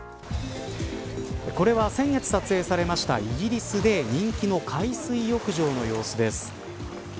これは先月撮影されたイギリスで人気の海水浴場の様子です。